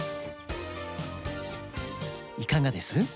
いかがです？